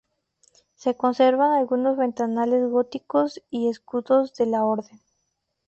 Se conservan algunos ventanales góticos y escudos de la Orden.